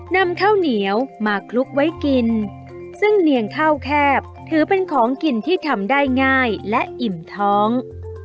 นำข้าวเหนียวมาคลุกไว้กินซึ่งเนียงข้าวแคบถือเป็นของกินที่ทำได้ง่ายและอิ่มท้อง